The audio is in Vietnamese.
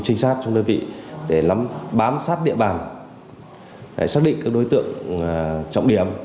trinh sát trong đơn vị để bám sát địa bàn xác định các đối tượng trọng điểm